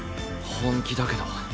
本気だけど。